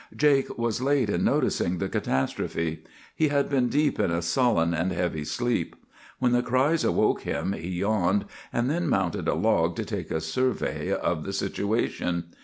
"Jake was late in noticing the catastrophe. He had been deep in a sullen and heavy sleep. When the cries awoke him he yawned, and then mounted a log to take a survey of the situation.